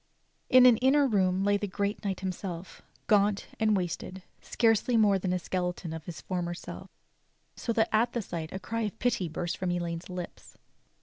In an inner room lay the great knight himself, gaunt and wasted, scarcely more than the skele THE ADVENTURES OF LAUNCELOT 89 ton of his former self; so that at the sight a cry of pity burst from Elaine's lips.